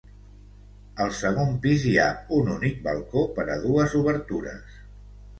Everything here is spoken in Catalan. Al segon pis hi ha un únic balcó per a dues obertures.